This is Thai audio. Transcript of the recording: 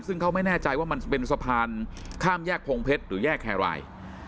ซึ่งเขาไม่แน่ใจว่ามันเป็นสะพานข้ามแยกพงเพชรหรือแยกแครราย